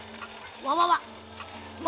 わわわ！